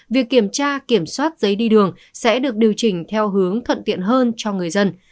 việc kiểm tra kiểm soát giấy đi đường sẽ được điều chỉnh theo hướng thuận tiện hơn cho người dân